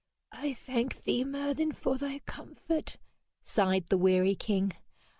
'I thank thee, Merlin, for thy comfort,' sighed the wearied king.